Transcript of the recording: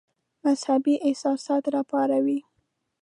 مذهبي احساسات را وپاروي.